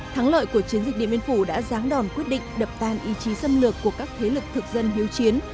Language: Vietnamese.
thắng lợi của chiến dịch điện biên phủ đã ráng đòn quyết định đập tan ý chí xâm lược của các thế lực thực dân hiếu chiến